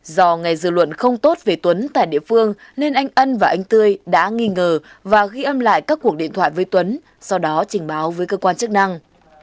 do ngày dư luận không tốt về tuấn tại địa phương nên anh ân và anh tươi đã nghi ngờ và ghi âm lại các cuộc điện thoại với tuấn sau đó trình báo với cơ quan chức năng